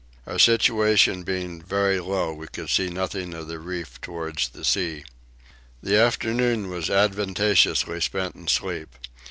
Our situation being very low we could see nothing of the reef towards the sea. The afternoon was advantageously spent in sleep.